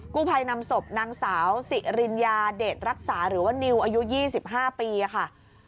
กู้ภัยนำศพนางสาวสิริญญาเดชรักษาหรือว่านิวอายุ๒๕ปีค่ะ